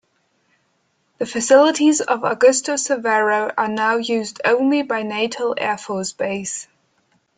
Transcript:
The facilities of Augusto Severo are now used only by Natal Air Force Base.